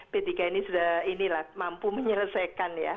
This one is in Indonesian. p tiga ini sudah inilah mampu menyelesaikan ya